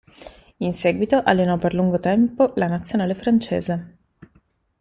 In seguito allenò per lungo tempo la Nazionale francese.